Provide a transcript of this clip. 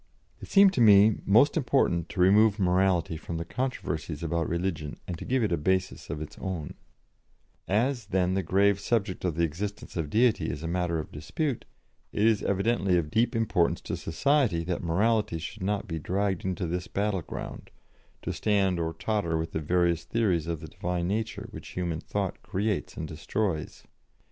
It seemed to me most important to remove morality from the controversies about religion, and to give it a basis of its own: "As, then, the grave subject of the existence of Deity is a matter of dispute, it is evidently of deep importance to society that morality should not be dragged into this battlefield, to stand or totter with the various theories of the Divine nature which human thought creates and destroys.